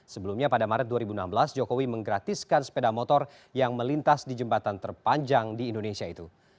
sebelumnya pada maret dua ribu enam belas jokowi menggratiskan sepeda motor yang melintas di jembatan terpanjang di indonesia itu